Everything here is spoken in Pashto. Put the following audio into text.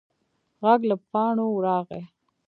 غږ له پاڼو راغی.